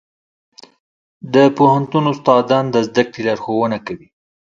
د پوهنتون استادان د زده کړې لارښوونه کوي.